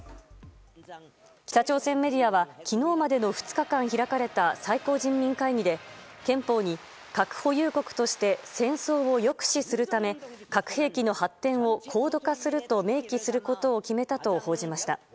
北朝鮮メディアは昨日までの２日間、開かれた最高人民会議で憲法に核保有国として戦争を抑止するため核兵器の発展を高度化すると明記することを決めたと報じました。